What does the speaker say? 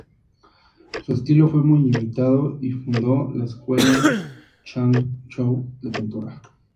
Su estilo fue muy imitado y fundó la Escuela Ch'ang-chou de pintura.